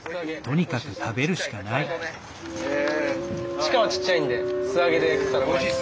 チカはちっちゃいんで素揚げで食ったらうまいです。